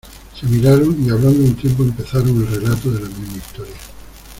se miraron, y hablando a un tiempo empezaron el relato de la misma historia: